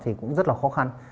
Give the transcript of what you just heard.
thì cũng rất là khó khăn